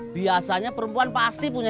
biasanya perempuan pasti punya